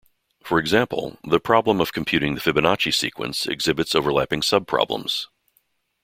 For example, the problem of computing the Fibonacci sequence exhibits overlapping subproblems.